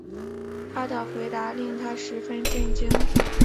他的回答令她十分震惊